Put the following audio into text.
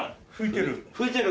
拭いてる？